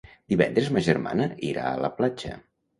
Divendres ma germana irà a la platja.